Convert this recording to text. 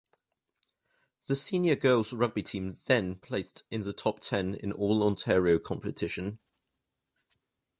The Senior girls rugby team then placed in the top ten in all-Ontario competition.